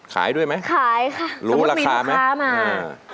ขายด้วยไหมรู้ราคาไหมค่ะสมมุติมีลูกค้ามาขาย